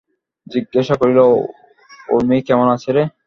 জিজ্ঞাসা করিল, উমি কেমন আছে রে?